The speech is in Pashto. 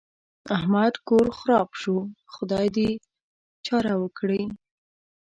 احمد کور خراپ شو؛ خدای دې يې چاره وکړي.